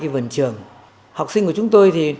hai vườn trường học sinh của chúng tôi